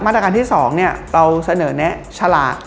ตรการที่๒เราเสนอแนะฉลาก